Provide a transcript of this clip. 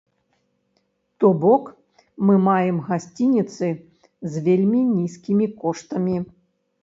То бок мы маем гасцініцы з вельмі нізкімі коштамі!